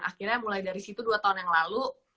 akhirnya mulai dari situ dua tahun yang lalu